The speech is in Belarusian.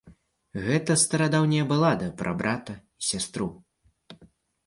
Гэта старадаўняя балада пра брата і сястру.